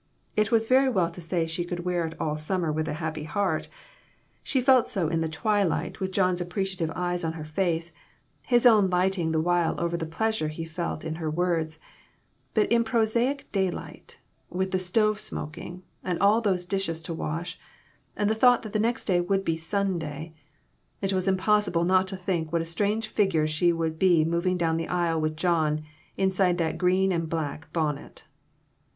It was very well to say she could wear it all summer with a happy heart. She had felt so in the twilight, QO BONNETS, AND BURNS, AND BURDENS. with John's appreciative eyes on her face, his own lighting the while over the pleasure he felt in her words, but in prosaic daylight, with the stove smoking, and all those dishes to wash, and the thought that the next day would be Sunday, it was impossible not to think what a strange figure she would be moving down the aisle with John, inside that green and black bonnet.